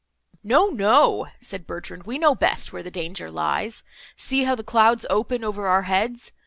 "No, no," said Bertrand, "we know best where the danger lies. See how the clouds open over our heads.